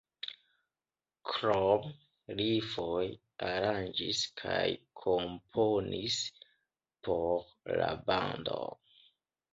Krome li foje aranĝis kaj komponis por la bando.